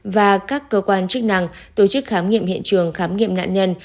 và các cơ quan chức năng tổ chức khám nghiệm hiện trường khám nghiệm nạn nhân